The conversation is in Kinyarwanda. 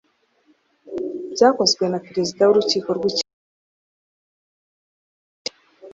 byakozwe na perezida w’urukiko rw’ikirenga